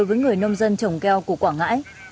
với người nông dân trồng keo của quảng ngãi